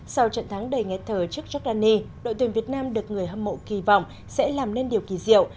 sau trận thắng đầy nghe thờ trước giordani đội tuyển việt nam được người hâm mộ kỳ vọng sẽ làm nên điều kỳ diệu